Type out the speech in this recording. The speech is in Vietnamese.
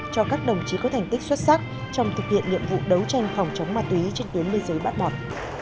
cho các đồng chí có thành tích xuất sắc trong thực hiện nhiệm vụ đấu tranh phòng chống ma túy trên tuyến biên giới bát mọt